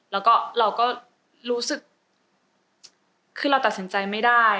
แล้วก็เราก็รู้สึกคือเราตัดสินใจไม่ได้